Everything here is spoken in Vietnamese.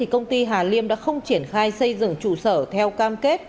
công ty hà liêm đã không triển khai xây dựng trụ sở theo cam kết